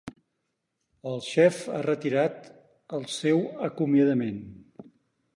El xef ha retirat el seu acomiadament.